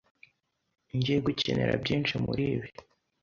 Ngiye gukenera byinshi muribi.